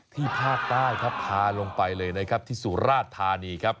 ภาคใต้ครับพาลงไปเลยนะครับที่สุราชธานีครับ